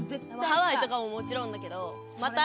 ハワイとかももちろんだけどまた